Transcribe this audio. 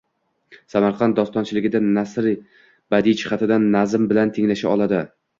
Samarqand dostonchiligida nasr badiiy jihatidan nazm bilan tenglasha oladi